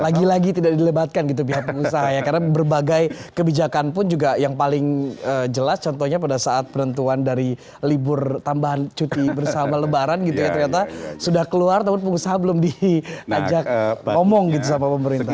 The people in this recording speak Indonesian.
lagi lagi tidak dilebatkan gitu pihak pengusaha ya karena berbagai kebijakan pun juga yang paling jelas contohnya pada saat penentuan dari libur tambahan cuti bersama lebaran gitu ya ternyata sudah keluar namun pengusaha belum diajak ngomong gitu sama pemerintah